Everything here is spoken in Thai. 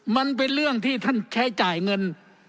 มันเป็นเรื่องที่ท่านใช้จ่ายเงิน